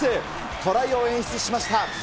トライを演出しました。